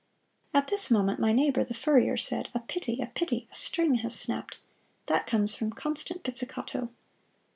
At this moment my neighbor, the furrier, said, "A pity, a pity! a string has snapped that comes from constant pizzicato."